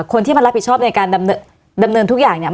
คนที่มารับผิดชอบในการดำเนินทุกอย่างเนี่ย